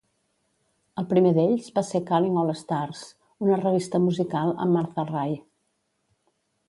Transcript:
El primer d'ells va ser "Calling All Stars", una revista musical amb Martha Raye.